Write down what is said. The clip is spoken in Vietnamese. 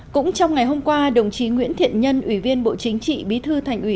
cũng trong ngày hôm qua đồng chí nguyễn thiện nhân ủy viên bộ chính trị bí thư thành ủy